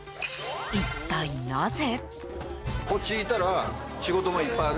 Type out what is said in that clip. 一体、なぜ？